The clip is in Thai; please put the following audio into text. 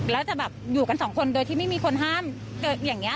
แล้วจะแบบอยู่กันสองคนโดยที่ไม่มีคนห้ามอย่างนี้